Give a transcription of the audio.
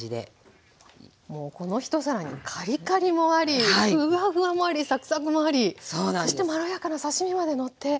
もうこの一皿にカリカリもありフワフワもありサクサクもありそしてまろやかな刺身までのって。